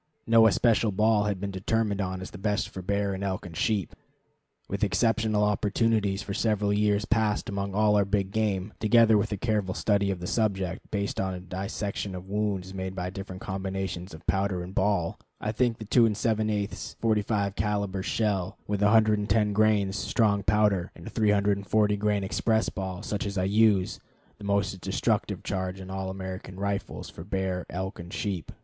No especial ball has been determined on as best for bear and elk and sheep. With exceptional opportunities for several years past among all our big game, together with a careful study of the subject, based on a dissection of wounds made by different combinations of powder and ball, I think the 2 7/8 45 caliber shell, with 110 grains strong powder and a 340 grain express ball such as I use, the most destructive charge in all American rifles for bear, elk, and sheep.